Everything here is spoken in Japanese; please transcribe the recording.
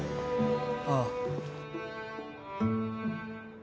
ああ。